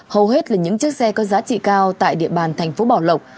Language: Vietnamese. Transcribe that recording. hầu hết là những chiếc xe có giá trị cao tại địa bàn thành phố bảo lộc